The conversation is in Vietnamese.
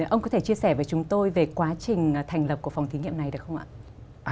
ông có thể chia sẻ với chúng tôi về quá trình thành lập của phòng thí nghiệm này được không ạ